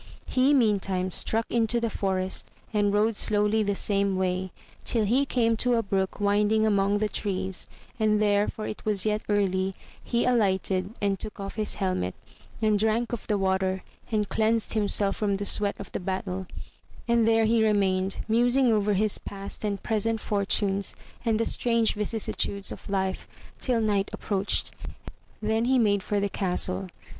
He meantime struck into the forest, and rode slowly the same way, till he came to a brook winding among the trees, and there, for it was yet early, he alighted and took off his helmet, and drank of the water, and cleansed himself from the sweat of the battle ; and there he remained, musing over his past and present fortunes and the strange vicissitudes of life, till night approached ; then he made for the castle.